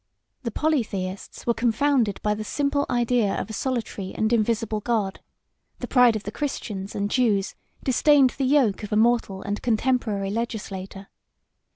The polytheists were confounded by the simple idea of a solitary and invisible God; the pride of the Christians and Jews disdained the yoke of a mortal and contemporary legislator.